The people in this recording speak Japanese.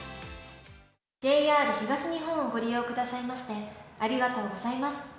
ＪＲ東日本をご利用くださいましてありがとうございます。